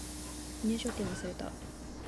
入場券忘れた